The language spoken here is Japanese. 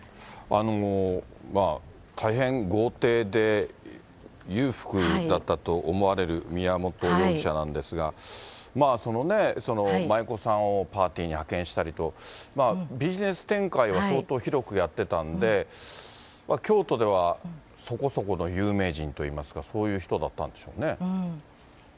大変豪邸で、裕福だったと思われる宮本容疑者なんですが、舞妓さんをパーティーに派遣したりと、ビジネス展開を相当広くやってたんで、京都ではそこそこの有名人といいますか、そうですね。